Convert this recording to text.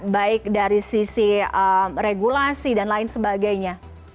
baik dari sisi regulasi dan lain sebagainya